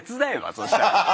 そしたら。